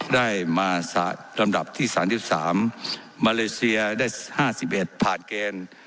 ได้มาสาดลำดับที่สามสิบสามมาเลเซียได้ห้าสิบเอ็ดผ่านเกณฑ์